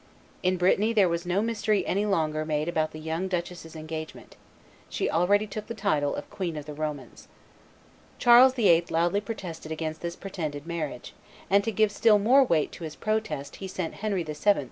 In Brittany there was no mystery any longer made about the young duchess's engagement; she already took the title of Queen of the Romans. Charles VIII. loudly protested against this pretended marriage; and to give still more weight to his protest he sent to Henry VII.